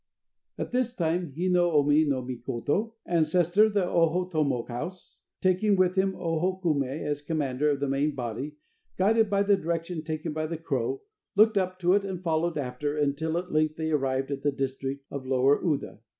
At this time Hi no Omi no Mikoto, ancestor of the Ohotomo House, taking with him Oho kume as commander of the main body, guided by the direction taken by the crow, looked up to it and followed after, until at length they arrived at the district of Lower Uda.